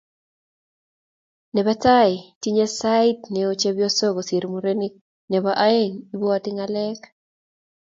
Nebo tai, tinyee sait neo chepyosok kosir murenik. Nebo aeng, ibwati ngalek